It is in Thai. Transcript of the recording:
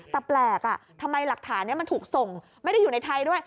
แต่แปลกทำไมหลักฐานนี้มันถูกส่งไม่ได้อยู่ในไทยด้วย